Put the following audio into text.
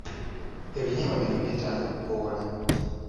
Ebinyeebwa bino byetaaga kukoola.